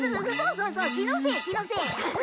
そうそう気のせい気のせい。